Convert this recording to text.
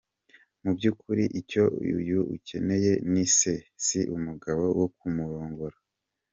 Mu by’ukuri icyo uyu akeneye ni se si umugabo wo kumurongora.